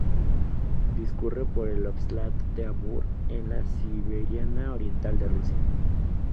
Discurre por el óblast de Amur, en la siberiana oriental de Rusia.